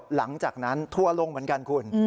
หลังจากนั้นทัวร์ลงเหมือนกันคุณ